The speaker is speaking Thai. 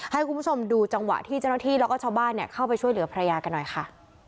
ให้คุณผู้ชมดูจังหวะที่เจ้าหน้าที่แล้วก็ชาวบ้านเข้าไปช่วยเหลือภรรยากันหน่อยค่ะ